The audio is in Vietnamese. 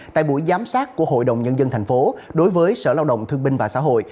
tại buổi giám sát của hội đồng nhân dân thành phố đối với sở lao động thương binh và xã hội